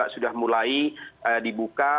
sudah mulai dibuka